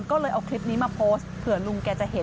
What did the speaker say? ก็เลยเอาคลิปนี้มาโพสต์เผื่อลุงแกจะเห็น